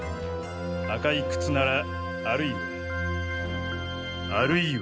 赤い靴ならあるいはあるいは。